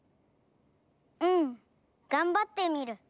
うんがんばってみる！